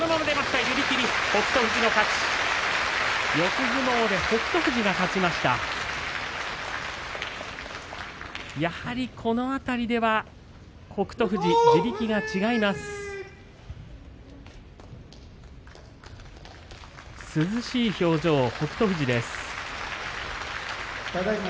涼しい表情、北勝富士です。